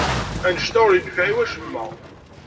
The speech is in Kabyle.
Anect-a ur yenfiɛ i wacemma.